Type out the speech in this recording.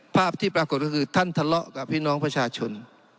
ภาพที่ปรากฏก็คือท่านทะเลาะกับพี่น้องประชาชน